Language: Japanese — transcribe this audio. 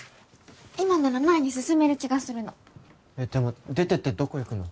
今なら前に進める気がするのでも出てってどこ行くの？